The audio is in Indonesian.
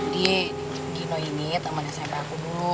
dia gino ini temennya siapa aku dulu